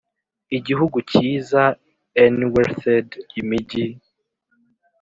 igihugu cyiza enwreathëd imigi,